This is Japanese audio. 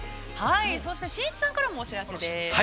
◆そしてしんいちさんからもお知らせです。